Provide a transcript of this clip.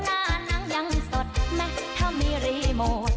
หน้านั่งยังสดแม้เท่ามีรีโมท